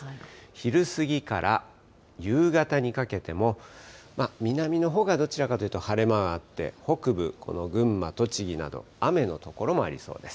昼過ぎから夕方にかけても、南のほうがどちらかというと晴れ間があって、北部、この群馬、栃木など雨の所もありそうです。